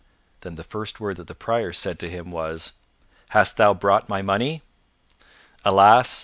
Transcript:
Then the first word that the Prior said to him was "Hast thou brought my money?" "Alas!